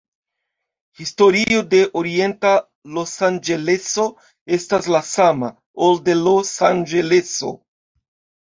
Historio de Orienta Losanĝeleso estas la sama, ol de Los Anĝeleso.